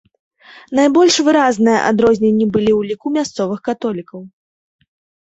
Найбольш выразныя адрозненні былі ў ліку мясцовых католікаў.